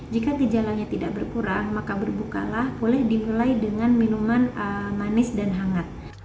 jika gejalanya tidak berkurang maka berbukalah boleh dimulai dengan minuman manis dan hangat